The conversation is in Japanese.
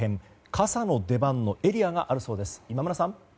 傘の出番のエリアがあるそうです。